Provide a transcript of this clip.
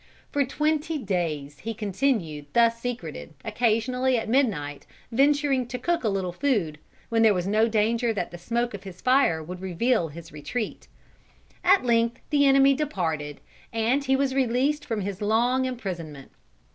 For twenty days he continued thus secreted, occasionally, at midnight, venturing to cook a little food, when there was no danger that the smoke of his fire would reveal his retreat. At length the enemy departed, and he was released from his long imprisonment.